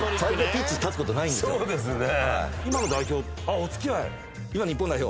そうですね。